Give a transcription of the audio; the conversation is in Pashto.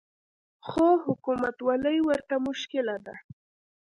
خو حکومتولي ورته مشکله ده